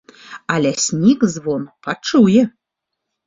А ляснік звон пачуе.